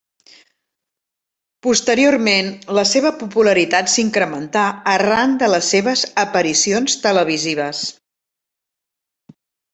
Posteriorment la seva popularitat s'incrementà arran de les seves aparicions televisives.